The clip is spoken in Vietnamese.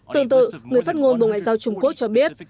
tương tự người phát ngôn bộ ngoại giao trung quốc cho biết